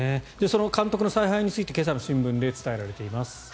その監督の采配について今朝の新聞で伝えられています。